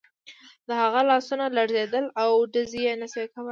د هغه لاسونه لړزېدل او ډز یې نه شو کولای